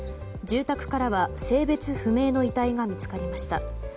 住宅からは性別不明の遺体が見つかりました。